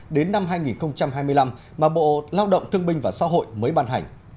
đến năm hai nghìn hai mươi năm mà bộ lao động thương binh và xã hội mới ban hành